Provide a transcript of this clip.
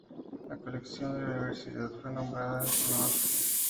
La colección de la Universidad fue nombrada en su honor.